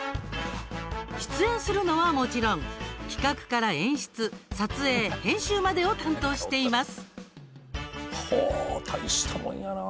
出演するのは、もちろん企画から演出、撮影、編集までを担当しています。